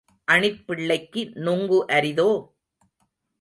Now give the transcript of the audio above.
அணிற் பிள்ளைக்கு நுங்கு அரிதோ?